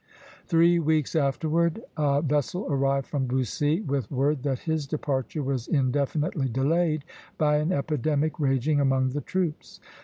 Three weeks afterward a vessel arrived from Bussy, with word that his departure was indefinitely delayed by an epidemic raging among the troops.